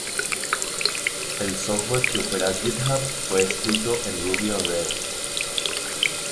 El software que opera GitHub fue escrito en Ruby on Rails.